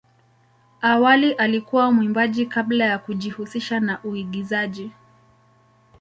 Awali alikuwa mwimbaji kabla ya kujihusisha na uigizaji.